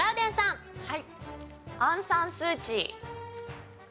アウンサンスーチー。